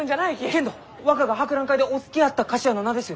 けんど若が博覧会でお好きやった菓子屋の名ですよ！